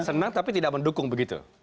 senang tapi tidak mendukung begitu